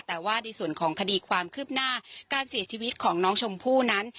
แต่ว่าในส่วนของคดีความคืบหน้าการเสียชีวิตของน้องชมพู่นั้น